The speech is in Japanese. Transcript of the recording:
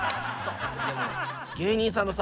芸人さんのさ